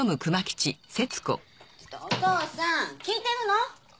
ちょっとお父さん聞いてるの？